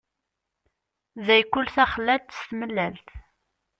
Day kul taxellalt s tmellalt?